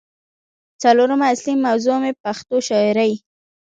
څلورمه اصلي موضوع مې پښتو شاعرۍ